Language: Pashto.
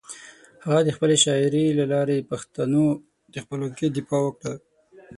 هغه د خپلې شاعري له لارې د پښتنو د خپلواکۍ دفاع وکړه.